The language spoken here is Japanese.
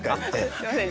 すみません。